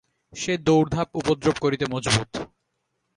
সে দৌড়ধাপ উপদ্রব করিতে মজবুত।